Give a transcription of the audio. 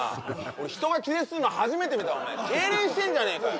俺人が気絶するの初めて見たわけいれんしてんじゃねえかよ